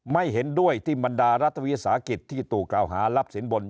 ไม่เห็นด้วยที่บรรดารัฐวิสาหกิจที่ถูกกล่าวหารับสินบน